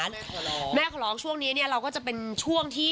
แม่ขอร้องแม่ขอร้องช่วงนี้เราก็จะเป็นช่วงที่